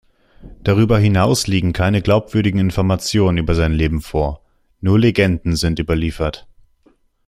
Darüber hinaus liegen keine glaubwürdigen Informationen über sein Leben vor; nur Legenden sind überliefert.